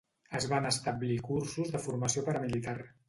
Es van establir cursos de formació paramilitar.